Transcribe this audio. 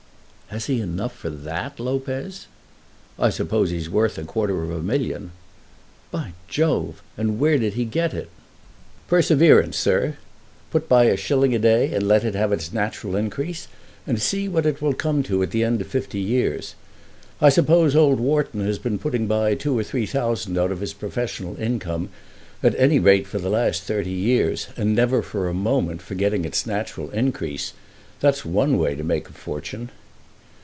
"Has he enough for that, Lopez?" "I suppose he's worth a quarter of a million." "By Jove! And where did he get it?" "Perseverance, sir. Put by a shilling a day, and let it have its natural increase, and see what it will come to at the end of fifty years. I suppose old Wharton has been putting by two or three thousand out of his professional income, at any rate for the last thirty years, and never for a moment forgetting its natural increase. That's one way to make a fortune."